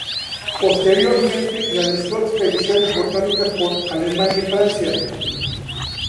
Posteriormente realizó expediciones botánicas por Alemania y Francia.